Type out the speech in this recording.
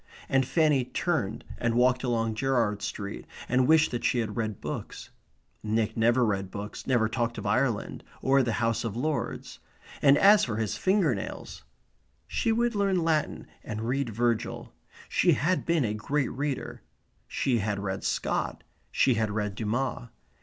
And Fanny turned and walked along Gerrard Street and wished that she had read books. Nick never read books, never talked of Ireland, or the House of Lords; and as for his finger nails! She would learn Latin and read Virgil. She had been a great reader. She had read Scott; she had read Dumas.